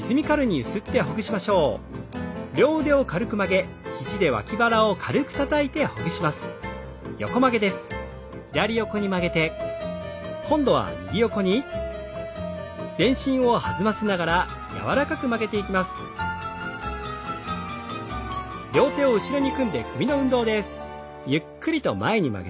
ゆっくりと前に曲げて後ろに。